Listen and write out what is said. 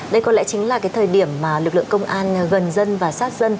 đây có lẽ chính là thời điểm lực lượng công an gần dân